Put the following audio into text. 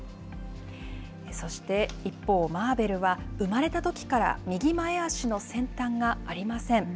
そして一方、マーベルは生まれたときから右前足の先端がありません。